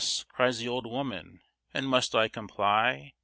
cries the old woman, "and must I comply?